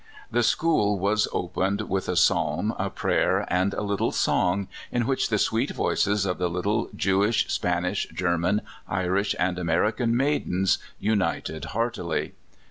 The school was opened with a Psalm, a prayer, and a little song in which the sweet voices of the little Jewish, Spanish, Ger man, Irish, and American maidens united heartily.